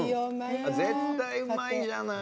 絶対うまいじゃない！